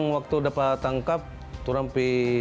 waktu dapat tangkap